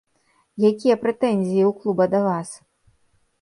Якія прэтэнзіі у клуба да вас?